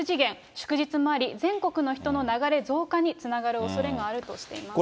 祝日もあり、全国の人の流れ増加につながるおそれがあるとしています。